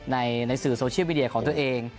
ในสื่อโซเชียลวิเดียของตัวเอง